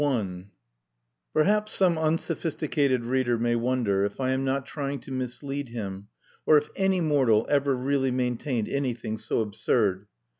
[Footnote 1: Perhaps some unsophisticated reader may wonder if I am not trying to mislead him, or if any mortal ever really maintained anything so absurd.